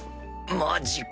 マジか。